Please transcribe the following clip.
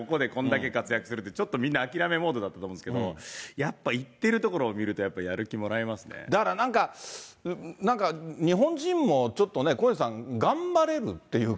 日本人がここでこんだけ活躍するって、ちょっとみんな諦めモードだったですけど、やっぱいってるところをみると、やっぱりやる気だからなんか、なんか日本人もちょっとね、小西さん、頑張れるっていうか。